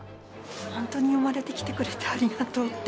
本当に生まれてきてくれてありがとうって。